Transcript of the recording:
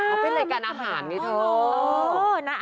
เขาเป็นรายการอาหารนี่เถอะ